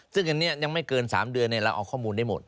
ซึ่งอันนี้ยังไม่เกิน๓เดือนเราเอาข้อมูลได้หมด